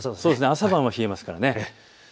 朝晩冷えますから。